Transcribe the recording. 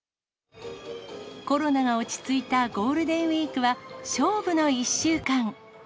コロナが落ち着いたゴールデンウィークは、勝負の１週間。